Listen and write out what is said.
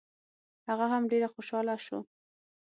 هغه هم ډېر خوشحاله شو.